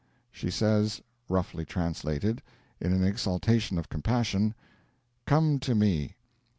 She says (roughly translated), in an exaltation of compassion: 'Come to me!